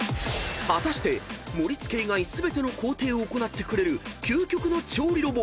［果たして盛り付け以外全ての工程を行ってくれる究極の調理ロボ。